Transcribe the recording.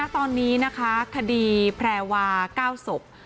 ตอนนี้นะคะคดีแพรวา๙ศพ